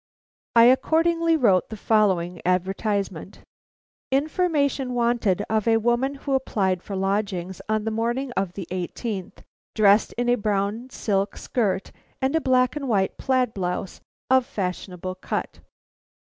I accordingly wrote the following advertisement: "Information wanted of a woman who applied for lodgings on the morning of the eighteenth inst., dressed in a brown silk skirt and a black and white plaid blouse of fashionable cut.